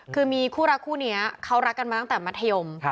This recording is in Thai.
คือมีคู่รักคู่นี้เขารักกันมาตั้งแต่มัธยม